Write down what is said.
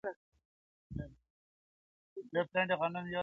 • هم دي د سرو سونډو په سر كي جـادو.